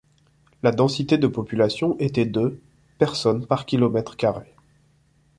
La densité de population était de personnes par kilomètre carré.